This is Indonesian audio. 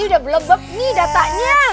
ini udah bele beb nih datanya